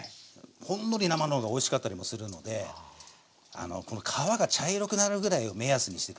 ほんのり生の方がおいしかったりもするのでこの皮が茶色くなるぐらいを目安にして下さい。